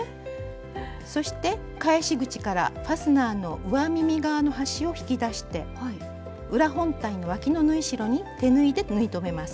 そして返し口からファスナーの上耳側の端を引き出して裏本体のわきの縫い代に手縫いで縫い留めます。